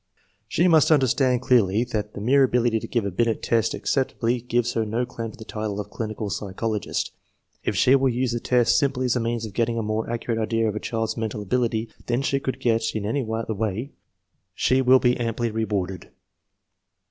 She must understand clearly that the mere ability to give a Binet test acceptably gives her no claim to the title " clinical psychologist/' If she will use the test simply as a means of getting a more ac curate idea of a child's mental ability than she could get in any other way, she will be amply rewarded.